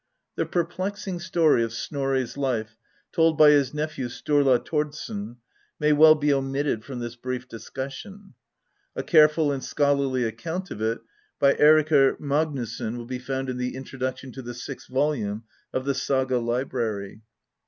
The perplexing story of Snorri's life, told by his nephew, Sturla Thordsson,^ may well be omitted from this brief discussion. A careful and scholarly account of it by Eirikr Magnusson^ will be found in the introduction to the sixth volume of The Saga Library.